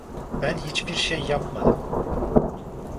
Ben hiçbir şey yapmadım.